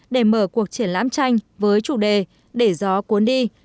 để mở cuộc triển lãm tranh với chủ đề để gió cuốn đi